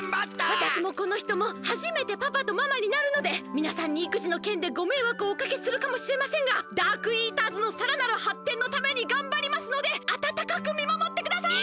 わたしもこのひともはじめてパパとママになるのでみなさんにいくじのけんでごめいわくをおかけするかもしれませんがダークイーターズのさらなるはってんのためにがんばりますのであたたかくみまもってください！